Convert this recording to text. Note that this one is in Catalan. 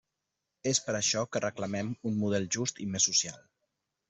És per això que reclamem un model just i més social.